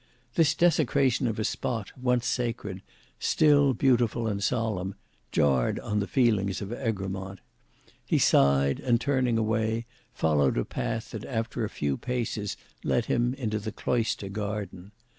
This desecration of a spot, once sacred, still beautiful and solemn, jarred on the feelings of Egremont. He sighed and turning away, followed a path that after a few paces led him into the cloister garden.